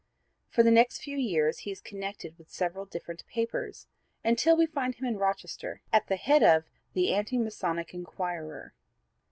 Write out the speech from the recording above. For the next few years he is connected with several different papers until we find him in Rochester at the head of the Anti Masonic Enquirer.